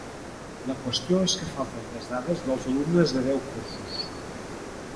La qüestió és que falten les dades dels alumnes de deu cursos.